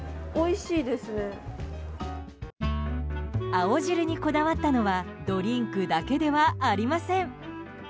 青汁にこだわったのはドリンクだけではありません。